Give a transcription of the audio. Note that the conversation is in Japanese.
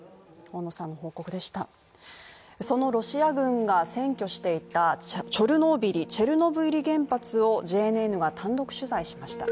そのロシア軍が占拠していたチョルノービリ原発をＪＮＮが単独取材しました。